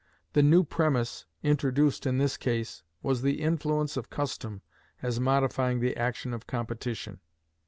The new premise introduced in this case was the influence of custom as modifying the action of competition.